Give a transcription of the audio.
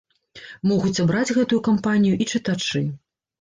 Могуць абраць гэтую кампанію і чытачы.